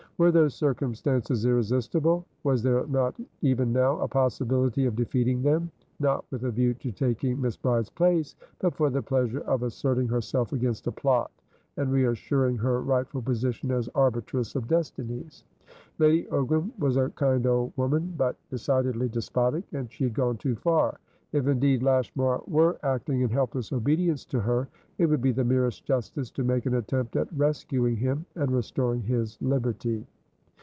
Were those circumstances irresistible? Was there not even now a possibility of defeating them?not with a view to taking Miss Bride's place, but for the pleasure of asserting herself against a plot, and reassuring her rightful position as arbitress of destinies. Lady Ogram was a kind old woman, but decidedly despotic, and she had gone too far. If indeed Lashmar were acting in helpless obedience to her, it would be the merest justice to make an attempt at rescuing him and restoring his liberty.